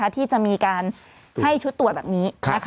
ที่จะมีการให้ชุดตรวจแบบนี้